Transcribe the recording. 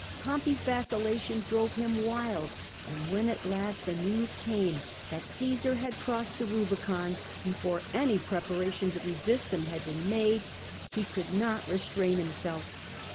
Pompey 's vacillation drove him wild, and when at last the news came that Caesar had crossed the Rubicon before any preparation to resist him had been made, he could not restrain himself.